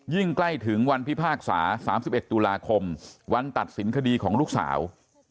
ใกล้ถึงวันพิพากษา๓๑ตุลาคมวันตัดสินคดีของลูกสาว